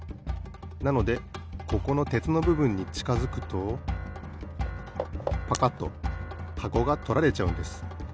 なのでここのてつのぶぶんにちかづくとパカッとはこがとられちゃうんです。